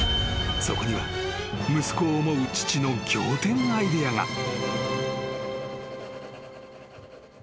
［そこには息子を思う父の仰天アイデアが］